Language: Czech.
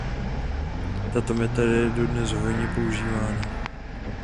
Tato metoda je dodnes hojně používaná.